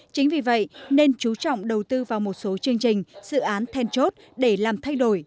chính vì vậy nên chú trọng đầu tư vào một số chương trình dự án then chốt để làm thay đổi